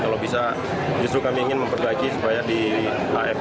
kalau bisa justru kami ingin memperbaiki supaya di af